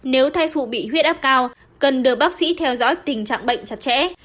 nếu thai phụ bị huyết áp cao cần được bác sĩ theo dõi tình trạng bệnh chặt chẽ